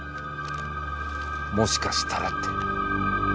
もしかしたらって。